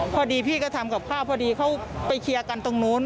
พอดีพี่ก็ทำกับข้าวพอดีเขาไปเคลียร์กันตรงนู้น